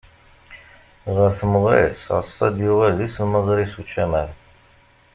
Ɣer temɣer-is, Ɛeṣṣad yuɣal d islamẓri s ucamar.